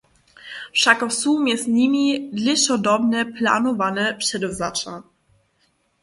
Wšako su mjez nimi dlěšodobnje planowane předewzaća.